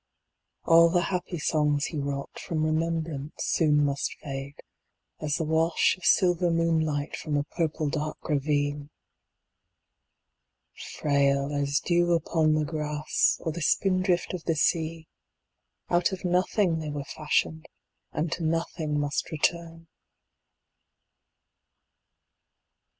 All the happy songs he wrought From remembrance soon must fade, As the wash of silver moonlight 15 From a purple dark ravine. Frail as dew upon the grass Or the spindrift of the sea, Out of nothing they were fashioned And to nothing must return.